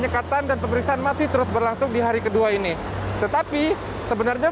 kepolisian kampung jawa barat